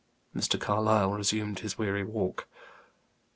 Mr. Carlyle resumed his weary walk.